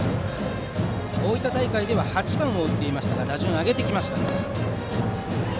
大分大会では８番を打っていましたが打順を上げてきました。